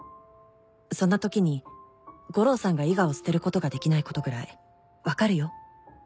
「そんなときに悟郎さんが伊賀を捨てることができないことぐらいわかるよ」